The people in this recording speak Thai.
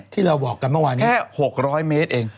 ที่เราบอกกันเมื่อวานนี้๖๐๐เมตรเอง